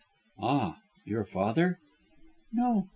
"Ah, your father?" "No.